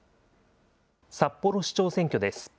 札幌市長選挙です。